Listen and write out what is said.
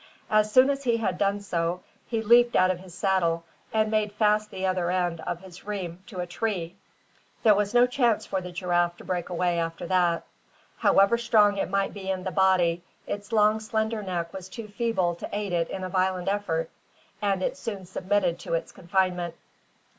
As soon as he had done so, he leaped out of his saddle, and made fast the other end of his rheim to a tree. There was no chance for the giraffe to break away after that. However strong it might be in the body, its long slender neck was too feeble to aid it in a violent effort; and it soon submitted to its confinement.